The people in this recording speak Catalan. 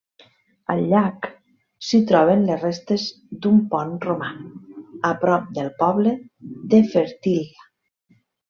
Al llac, s'hi troben les restes d'un pont romà, a prop del poble de Fertília.